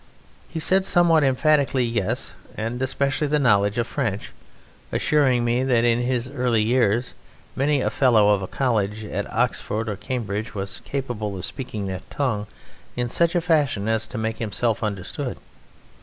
He said, somewhat emphatically, yes, and especially the knowledge of French, assuring me that in his early years many a Fellow of a College at Oxford or at Cambridge was capable of speaking that tongue in such a fashion as to make himself understood.